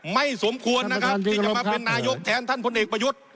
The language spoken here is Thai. สมควรนะครับที่จะมาเป็นนายกแทนท่านพลเอกประยุทธ์